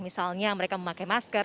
misalnya mereka memakai masker